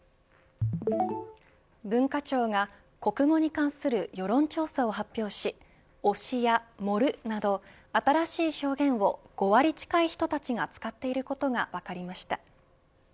文化庁が国語に関する世論調査を発表し推しや盛るなど新しい表現を５割近い人たちが使っていることが分かりました。